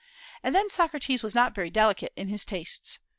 And then Socrates was not very delicate in his tastes.